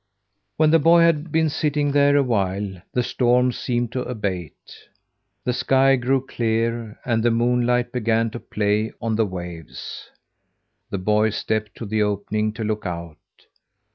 When the boy had been sitting there a while, the storm seemed to abate. The sky grew clear, and the moonlight began to play on the waves. The boy stepped to the opening to look out.